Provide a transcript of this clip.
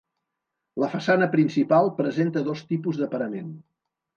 La façana principal presenta dos tipus de parament.